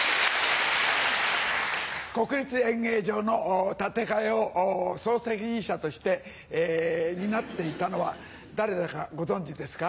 国立演芸場の建て替えを総責任者として担っていたのは誰だかご存じですか？